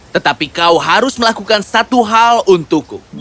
tetapi kau harus melakukan satu hal untukku